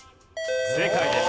正解です。